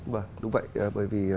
vâng đúng vậy bởi vì